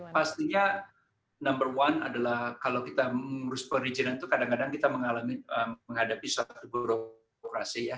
pastinya number one adalah kalau kita mengurus perizinan itu kadang kadang kita menghadapi suatu birokrasi ya